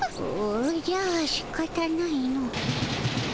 おおじゃしかたないの。